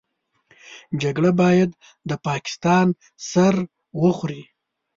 جګړه بايد د پاکستان سر وخوري.